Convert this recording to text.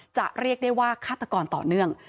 เรียกได้ว่าฆาตกรต่อเนื่อง